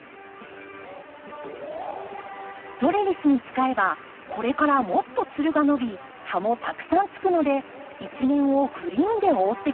トレリスに使えばこれからもっとつるが伸び葉もたくさんつくので一面をグリーンで覆ってくれます。